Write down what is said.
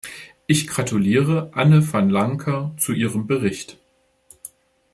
Ich gratuliere Anne van Lancker zu ihrem Bericht.